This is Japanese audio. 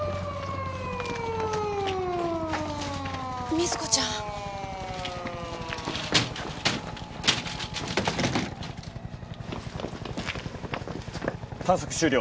瑞子ちゃん。探索終了。